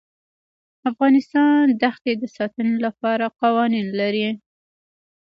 افغانستان د ښتې د ساتنې لپاره قوانین لري.